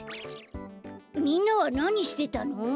みんなはなにしてたの？